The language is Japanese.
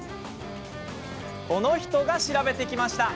この人が調べてきました。